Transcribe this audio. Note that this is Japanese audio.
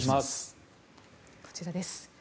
こちらです。